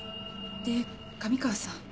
で神川さん。